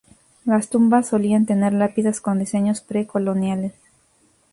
Las tumbas solían tener lápidas con diseños pre-coloniales.